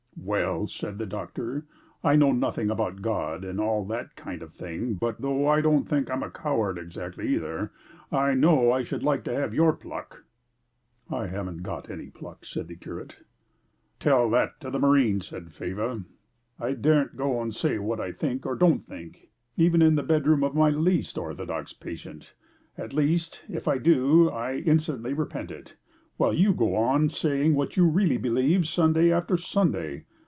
"Well," said the doctor, "I know nothing about God and all that kind of thing, but, though I don't think I'm a coward exactly either, I know I should like to have your pluck." "I haven't got any pluck," said the curate. "Tell that to the marines," said Faber. "I daren't go and say what I think or don't think, even in the bedroom of my least orthodox patient at least, if I do, I instantly repent it while you go on saying what you really believe Sunday after Sunday!